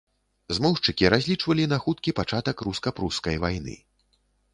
Змоўшчыкі разлічвалі на хуткі пачатак руска-прускай вайны.